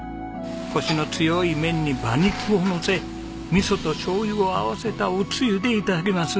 コシの強い麺に馬肉をのせみそとしょうゆを合わせたおつゆで頂きます。